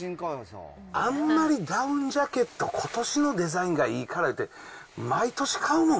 あんまりダウンジャケット、ことしのデザインがいいからって、毎年買うん？